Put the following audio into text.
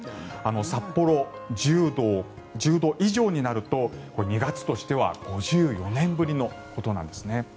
札幌、１０度以上になると２月としては５４年ぶりのことなんですね。